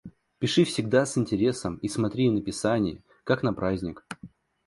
Пиши всегда с интересом и смотри на писание как на праздник.